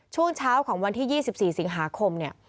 ช่วงเช้าของวันที่๒๔สิงหาคมเนี่ย